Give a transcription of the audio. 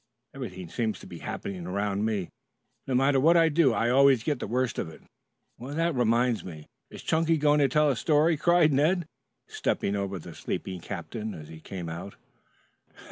Everything seems to happen around me. No matter what I do, I always get the worst of it. Why, that reminds me " "Is Chunky going to tell a story?" cried Ned, stepping over the sleeping captain as he came out.